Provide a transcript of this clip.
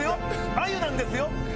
あゆなんですよ。